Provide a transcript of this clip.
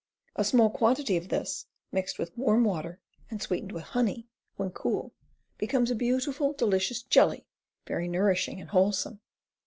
A small quantity of this, mixed with warm water and sweetened with honey, when cool, becomes a beautiful, delicious jelly, very nourishing and wholesome.